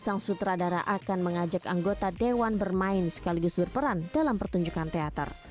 sang sutradara akan mengajak anggota dewan bermain sekaligus berperan dalam pertunjukan teater